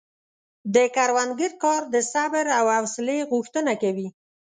د کروندګر کار د صبر او حوصلې غوښتنه کوي.